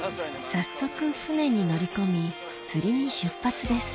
早速船に乗り込み釣りに出発です